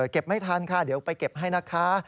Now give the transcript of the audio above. ไม่ทันค่ะเดี๋ยวไปเก็บให้นะคะ